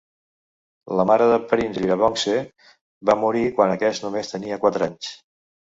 La mare de Prince Birabongse va morir, quan aquest només tenia quatre anys.